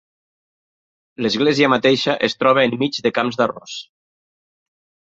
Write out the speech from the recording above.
L'església mateixa es troba enmig de camps d'arròs.